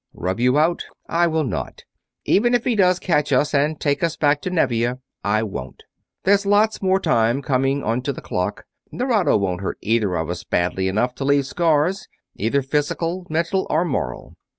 "Rub you out? I will not. Even if he does catch us, and takes us back to Nevia, I won't. There's lots more time coming onto the clock. Nerado won't hurt either of us badly enough to leave scars, either physical, mental, or moral.